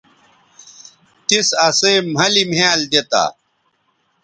تِس اسئ مھلِ مھیال دی تا